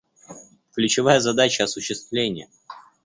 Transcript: Ключевая задача — осуществление.